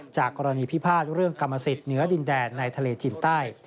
จากกรณีพิพาทเรื่องกรรมสิทธิเหนือดินแดนในทะเลจีนใต้